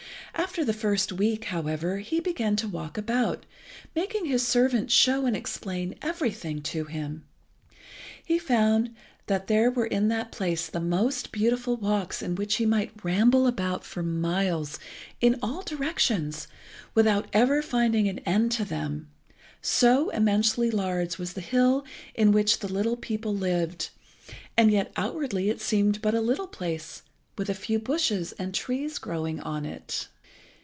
After the first week, however, he began to walk about, making his servant show and explain everything to him. He found that there were in that place the most beautiful walks in which he might ramble about for miles, in all directions, without ever finding an end to them, so immensely large was the hill in which the little people lived, and yet outwardly it seemed but a little place, with a few bushes and trees growing on it.